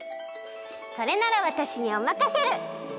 それならわたしにおまかシェル！